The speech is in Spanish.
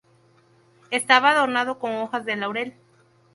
Estaba adornado con hojas de laurel.